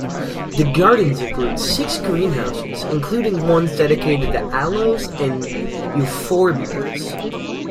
The gardens include six greenhouses, including ones dedicated to aloes and euphorbias.